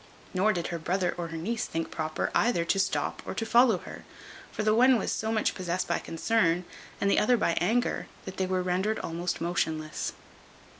Nor did her brother or her niece think proper either to stop or to follow her; for the one was so much possessed by concern, and the other by anger, that they were rendered almost motionless.